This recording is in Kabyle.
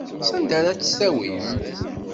Sanda ara tt-tawim?